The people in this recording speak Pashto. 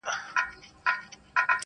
په ژمي د کابل هوا سړه وي